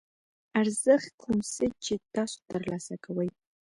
ارزښت کوم څه چې تاسو ترلاسه کوئ.